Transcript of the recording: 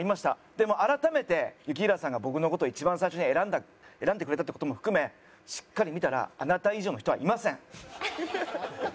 でも改めて雪平さんが僕の事を一番最初に選んでくれたって事も含めしっかり見たらあなた以上の人はいません。